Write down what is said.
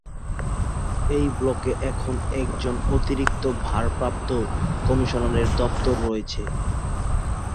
এই ব্লকে এখন একজন অতিরিক্ত ভারপ্রাপ্ত কমিশনারের দপ্তর রয়েছে।